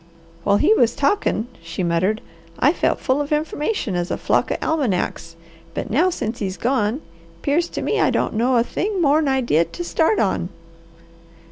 "While he was talkin'," she muttered, "I felt full of information as a flock o' almanacs, but now since he's gone, 'pears to me I don't know a thing more 'an I did to start on."